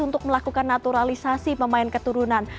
untuk melakukan naturalisasi pemain keturunan